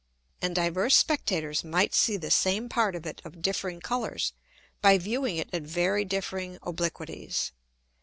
And divers Spectators might see the same part of it of differing Colours, by viewing it at very differing Obliquities.